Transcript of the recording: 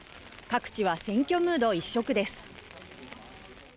各地は、選挙ムード一色です。